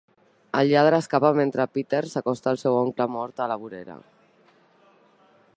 El lladre escapa mentre Peter s'acosta al seu oncle mort a la vorera.